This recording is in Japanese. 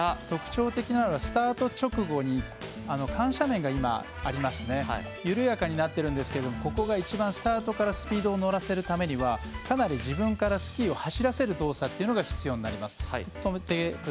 特徴的なのはスタート直後に緩斜面がありますが緩やかになっているんですがここが一番スタートからスピードを乗らせるためにはかなり自分からスキーを走らせる動作が必要になります。